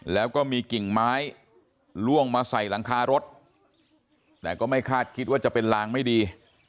ล่วงมาใส่หลังคารถแต่ก็ไม่คาดคิดว่าจะเป็นล้างไม่ดี